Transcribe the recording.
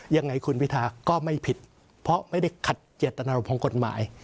ยังไงคุณพิทาก็ไม่ผิดเพราะไม่ได้ขัดเจตนารมของกฎหมาย